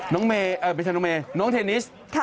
น้องเมย์เอ่อไม่ใช่น้องเมย์น้องเทนิสค่ะ